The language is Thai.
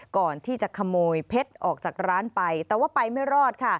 ก่อนที่จะขโมยเพชรออกจากร้านไปแต่ว่าไปไม่รอดค่ะ